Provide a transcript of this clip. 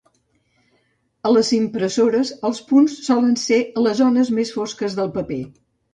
A les impressores, els punts solen ser les zones més fosques del paper.